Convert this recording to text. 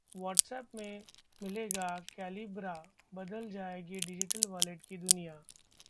WhatsApp में मिलेगा Calibra, बदल जाएगी डिजिटल वॉलेट की दुनिया